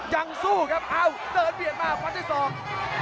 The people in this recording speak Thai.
ยังสู้ครับเอ้าเดินเบียดมาฟันที่สอง